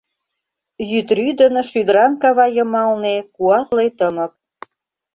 Йӱдрӱдын шӱдыран кава йымалне — Куатле тымык.